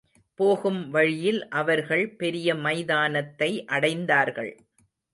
போகும் வழியில் அவர்கள் பெரிய மைதானத்தை அடைந்தார்கள்.